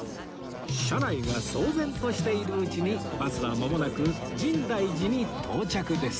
車内が騒然としているうちにバスはまもなく深大寺に到着です